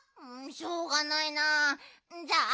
しょうがないなあ。